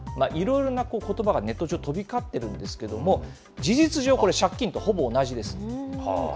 いろいろなことばがネット上、飛び交っているんですけれども、事実上、これ、借金とほぼ同じです。